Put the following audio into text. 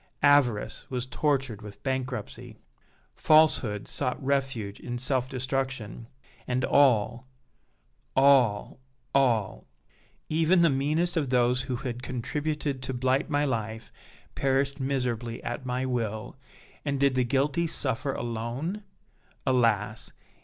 Avarice was tortured with bankruptcy. Falsehood sought refuge in self destruction; and all all all even the meanest of those who had contributed to blight my life perished miserably at my will! And did the guilty suffer alone? Alas!